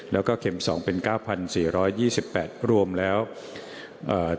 แล้วก็เข็มสองเป็นเก้าพันสี่ร้อยยี่สิบแปดรวมแล้วอ่า